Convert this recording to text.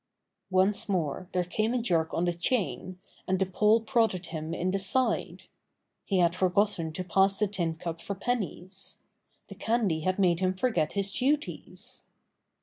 Once more there came a jerk on the chain, and the pole prodded him in the side. He 52 Buster the Bear had forgotten to pass the tin cup for pennies. The candy had made him forget his duties.